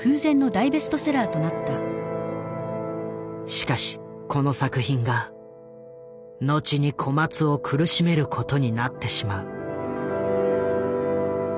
しかしこの作品が後に小松を苦しめることになってしまう。